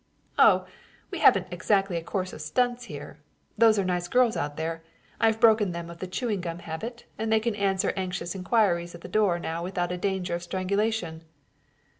"Oh, we haven't exactly a course of stunts here. Those are nice girls out there. I've broken them of the chewing gum habit, and they can answer anxious inquiries at the door now without danger of strangulation."